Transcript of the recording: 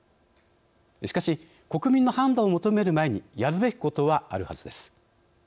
しかし、国民の判断を求める前にやるべきことはあるはずです。